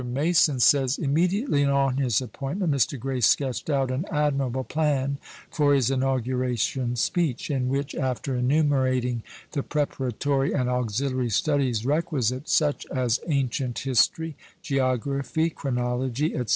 Mason says, "Immediately on his appointment, Mr. Gray sketched out an admirable plan for his inauguration speech; in which, after enumerating the preparatory and auxiliary studies requisite, such as ancient history, geography, chronology, &c.